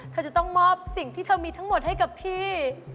เธอจะต้องมอบสิ่งที่เธอมีทั้งหมดให้กับพี่